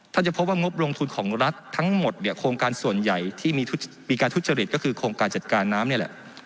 จะพบว่างบลงทุนของรัฐทั้งหมดเนี่ยโครงการส่วนใหญ่ที่มีการทุจริตก็คือโครงการจัดการน้ำนี่แหละ